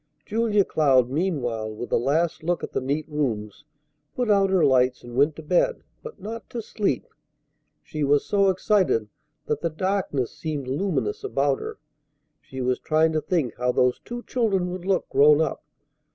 Julia Cloud meanwhile, with a last look at the neat rooms, put out her lights, and went to bed, but not to sleep. She was so excited that the darkness seemed luminous about her. She was trying to think how those two children would look grown up.